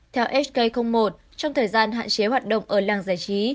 theo sk một trong thời gian hạn chế hoạt động ở làng giải trí